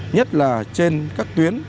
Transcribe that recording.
nhất là trên các tuyến